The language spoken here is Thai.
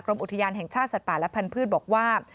อุทยานแห่งชาติสัตว์ป่าและพันธุ์บอกว่า